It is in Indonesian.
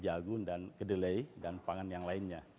jagung dan kedelai dan pangan yang lainnya